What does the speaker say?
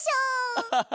アハハ。